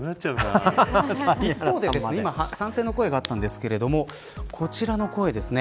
一方で、今賛成の声があったんですけどこちらの声ですね。